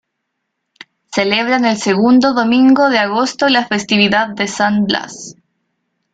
Celebran el segundo domingo de agosto la festividad de San Blas.